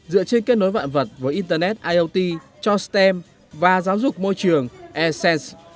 dựa trên kết nối vạn vật với internet iot cho stem và giáo dục môi trường essence